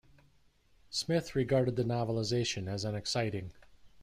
Smith regarded the novelisation as unexciting.